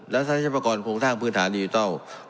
และสร้างใช้ประกอบโครงสร้างพื้นฐานยูตัล